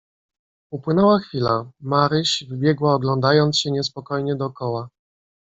"Upłynęła chwila, Maryś, wybiegła oglądając się niespokojnie dokoła."